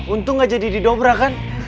untung nggak jadi didobra kan